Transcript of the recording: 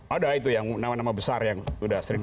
ada itu yang nama nama besar yang sudah sering